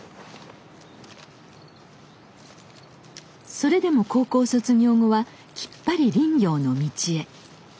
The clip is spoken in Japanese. それでも高校卒業後はきっぱり林業の道へ。